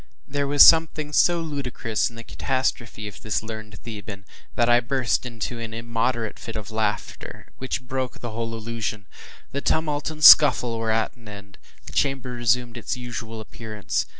There was something so ludicrous in the catastrophe of this learned Theban that I burst into an immoderate fit of laughter, which broke the whole illusion. The tumult and the scuffle were at an end. The chamber resumed its usual appearance.